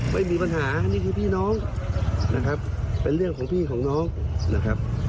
ไม่มีปัญหานี่คือพี่น้องนะครับเป็นเรื่องของพี่ของน้องนะครับ